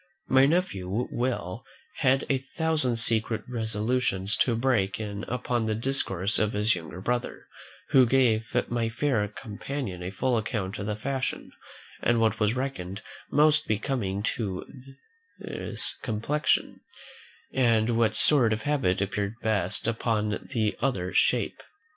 My nephew Will had a thousand secret resolutions to break in upon the discourse of his younger brother, who gave my fair companion a full account of the fashion, and what was reckoned most becoming to this complexion, and what sort of habit appeared best upon the other shape.